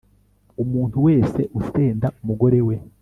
umuntu wese usenda umugore we